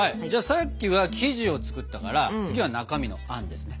さっきは生地を作ったから次は中身のあんですね？